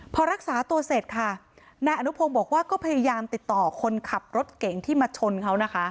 พอรักษาตัวเสร็จค่ะนายอนุพงศ์บอกว่าก็พยายามติดต่อคนขับรถเก่งที่มาชนเขานะคะ